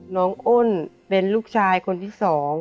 น้องอ้นเป็นลูกชายคนที่๒